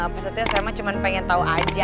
pasalnya saya cuma pengen tau aja